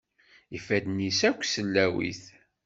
Ifadden-is akk sellawit.